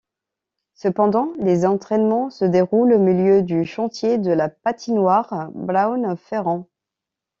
Cependant, les entrainements se déroulent au milieu du chantier de la Patinoire Brown-Ferrand.